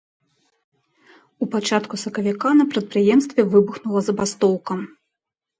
У пачатку сакавіка на прадпрыемстве выбухнула забастоўка.